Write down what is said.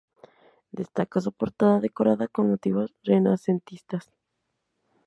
Destaca su portada decorada con motivos renacentistas.